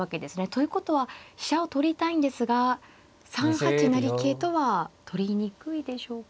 ということは飛車を取りたいんですが３八成桂とは取りにくいでしょうか。